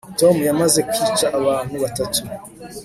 tom yamaze kwica abantu batatu